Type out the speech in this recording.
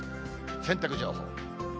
洗濯情報。